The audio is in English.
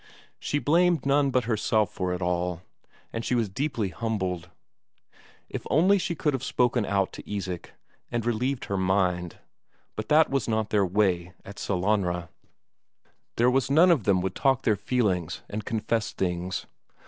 She blamed none but herself for it all, and she was deeply humbled. If only she could have spoken out to Isak, and relieved her mind, but that was not their way at Sellanraa; there was none of them would talk their feelings and confess things.